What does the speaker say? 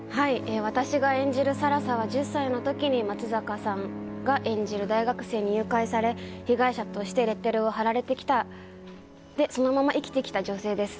私が演じる更紗は１０歳の時に松坂さんが演じる大学生に誘拐され被害者としてレッテルを貼られてきてそのまま生きてきた女性です。